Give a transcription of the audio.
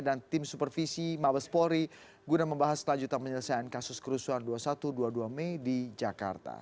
dan tim supervisi mabes polri guna membahas lanjutan penyelesaian kasus kerusuhan dua puluh satu dua puluh dua mei di jakarta